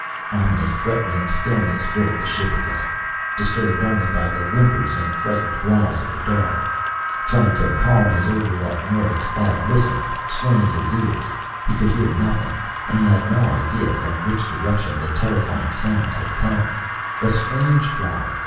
Ominous, threatening stillness filled the ship again, disturbed only by the whimpers and frightened growls of the dog. Trying to calm his overwrought nerves, Thad listened strained his ears. He could hear nothing. And he had no idea from which direction the terrifying sound had come. A strange cry.